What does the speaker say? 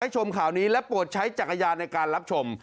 ชมข่าวนี้และโปรดใช้จักรยานในการรับชม